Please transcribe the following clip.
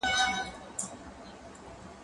زه له سهاره کتابونه لوستل کوم!.